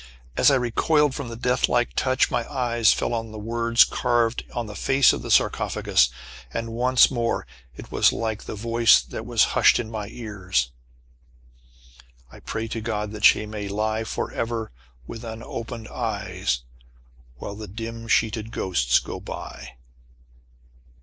As I recoiled from the death like touch, my eyes fell on the words carved on the face of the sarcophagus, and once more, it was like the voice that was hushed in my ears. "I pray to God that she may lie Forever with unopened eye While the dim sheeted ghosts go by."